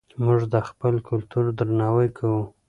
موږ د خپل کلتور درناوی کوو.